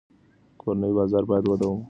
کورني بازار باید وده ومومي.